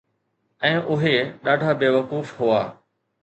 ۽ اهي ڏاڍا بيوقوف هئا